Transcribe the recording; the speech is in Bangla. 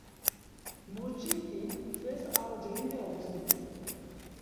মসজিদটি ফেস আল-জেদীদে অবস্থিত।